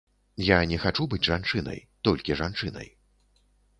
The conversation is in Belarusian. Я не хачу быць жанчынай, толькі жанчынай.